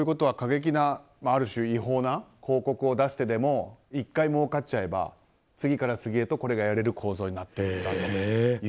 ある種、過激で違法な広告を出してでも１回もうかっちゃえば次から次へとやれる構造になっていると。